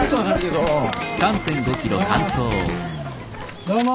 どうも。